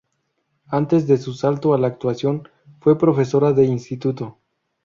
Antes de su salto a la actuación fue profesora de instituto.